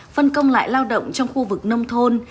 phân công lại lao động trong khu vực nông thôn